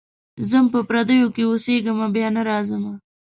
ځم په پردیو کي اوسېږمه بیا نه راځمه.